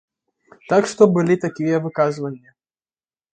Так што былі такія выказванні.